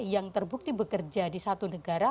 yang terbukti bekerja di satu negara